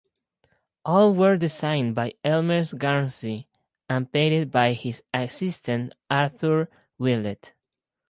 All were designed by Elmer Garnsey and painted by his assistant Arthur Willett.